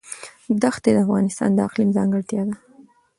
دښتې د افغانستان د اقلیم ځانګړتیا ده.